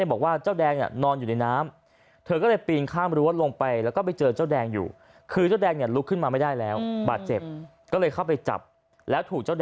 แบบว่าเจ้าแดงนอนอยู่ในน้ำเธอก็นะปินค่ารถลงไปแล้วก็ไปเจอเจ้าแดงอยู่คือจะอย่างนี้ลูกขึ้นมาไม่ได้แล้วบ้าเจ็บก็เลยเขาไปจับแล้วถูก๓๘